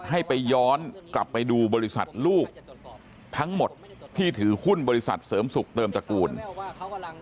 ให้ไปย้อนกลับไปดูบริษัทลูกทั้งหมดที่ถือหุ้นบริษัทเสริมสุขเติมตระกูล